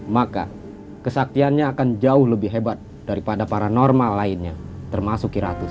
maka kesaktiannya akan jauh lebih hebat daripada paranormal lainnya termasuk iratus